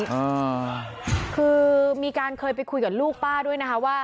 อ่าคือมีการเคยไปคุยกับลูกป้าด้วยนะคะว่า